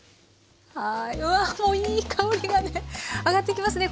うわもういい香りがね上がってきますね